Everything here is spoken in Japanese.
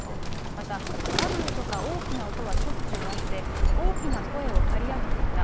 また、トラブルとか大きな音はしょっちゅうあって、大きな声を張り上げていた。